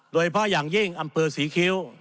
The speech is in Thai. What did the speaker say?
โดยเฉพาะอย่างยิ่งอำเภอศรีคิ้ว